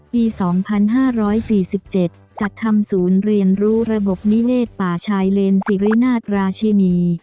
ปีสองพันห้าร้อยสี่สิบเจ็ดจัดทำศูนย์เรียนรู้ระบบนิเวศป่าชายเลนสิรินาธราชินี